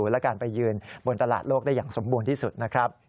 และการไปยืนบนตลาดโลกได้อย่างสมบูรณ์ที่สุดนะครับ